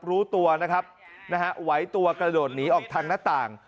รู้ตัวนะครับนะฮะไหวตัวกระโดดหนีออกทางหน้าต่าง